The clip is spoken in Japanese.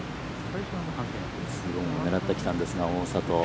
ツーオンを狙ってきたんですが、大里。